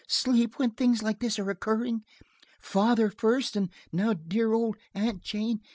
"Sleep, when things like this are occurring! Father first, and now dear old Aunt Jane!